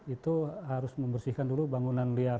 itu harus membersihkan dulu bangunan liar